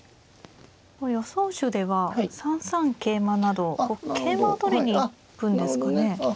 予想手では３三桂馬など桂馬を取りに行くんですかね。